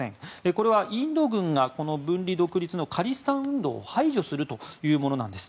これはインド軍が分離独立のカリスタン運動を排除するというものなんです。